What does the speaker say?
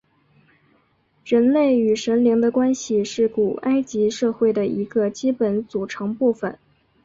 人类与神灵的关系是古埃及社会的一个基本组成部分。